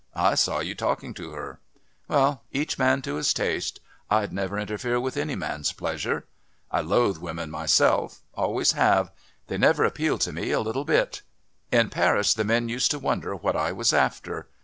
I saw you talking to her. Well, each man to his taste. I'd never interfere with any man's pleasure. I loathe women myself, always have. They never appealed to me a little bit. In Paris the men used to wonder what I was after.